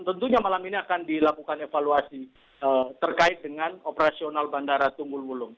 tentunya malam ini akan dilakukan evaluasi terkait dengan operasional bandara tunggul wulung